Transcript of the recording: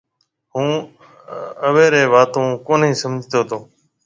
هُون اويري واتون ڪونَي سمجهتو تو